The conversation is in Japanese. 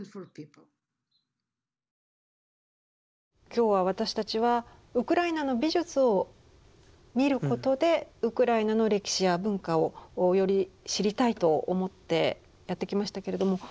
今日は私たちはウクライナの美術を見ることでウクライナの歴史や文化をより知りたいと思ってやってきましたけれども